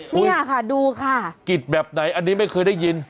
นี่ค่ะดูค่ะกิจแบบไหนอันนี้ไม่เคยได้ยิน